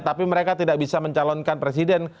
tapi mereka tidak bisa mencalonkan presiden